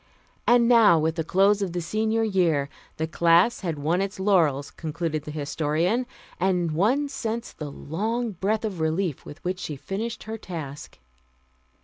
And now, with the close of the Senior year the class had won its laurels, concluded the Historian; and one sensed the long breath of relief with which she finished her task.